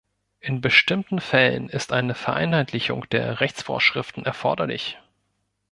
In bestimmten Fällen ist eine Vereinheitlichung der Rechtsvorschriften erforderlich.